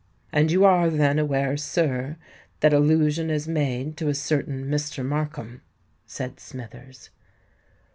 "And you are, then, aware, sir, that allusion is made to a certain Mr. Markham?" said Smithers.